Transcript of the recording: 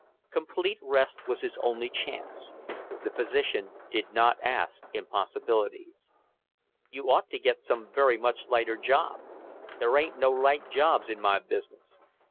Complete rest was his only chance. The physician did not ask impossibilities. "You ought to get some very much lighter job." "There ain't no light jobs in my business."